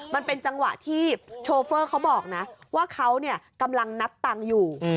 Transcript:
มันเป็นจังหวะที่โชเฟอร์เขาบอกนะว่าเขากำลังนับตังค์อยู่